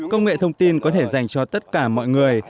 công nghệ thông tin có thể dành cho tất cả mọi người